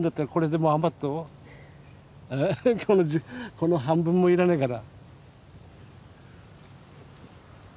この半分もいらないから。